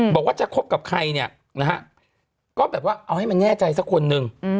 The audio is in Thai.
บอกว่าจะคบกับใครเนี่ยนะฮะก็แบบว่าเอาให้มันแน่ใจสักคนนึง